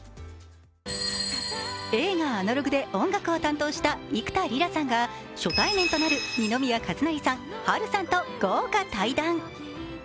映画「アナログ」で音楽を担当した幾田りらさんが初対面となる二宮和也さん波瑠さんと豪華対談。